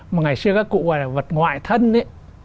mà ngày xưa các cụ gọi là vật ngoại thân ấy